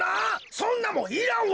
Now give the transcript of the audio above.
そんなもんいらんわ！